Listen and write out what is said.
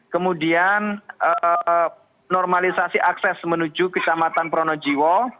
kemudian normalisasi akses menuju kecamatan pronojiwo